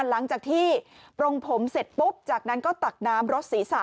หลังจากที่ปรงผมเสร็จปุ๊บจากนั้นก็ตักน้ำรสศีรษะ